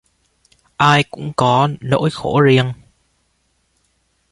Ai cũng có nỗi khổ riêng